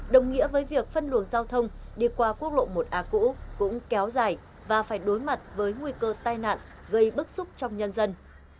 đồng nghĩa với việc phân luồng giao thông đi qua quốc lộ một a cũ cũng kéo dài và phải đối mặt với nguy cơ tai nạn gây bức xúc trong nhân dân